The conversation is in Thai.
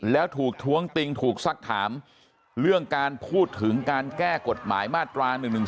แล้วถูกท้วงติงถูกสักถามเรื่องการพูดถึงการแก้กฎหมายมาตรา๑๑๒